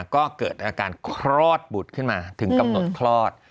ก็เกิดอาการคลอดบุตรขึ้นมาถึงกำหนดคลอด